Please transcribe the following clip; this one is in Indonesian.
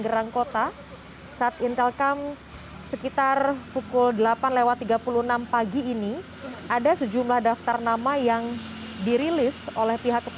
tetapi last busily juga harus di bremah